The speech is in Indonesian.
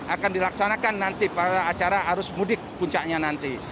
akan dilaksanakan nanti pada acara arus mudik puncaknya nanti